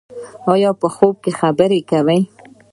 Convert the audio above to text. ایا په خوب کې خبرې کوئ؟